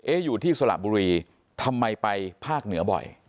อยู่ที่สระบุรีทำไมไปภาคเหนือบ่อย